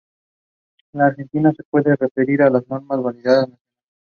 En Argentina se puede referir a las normas de Vialidad Nacional.